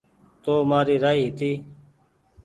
تو مآري رآئي هيتي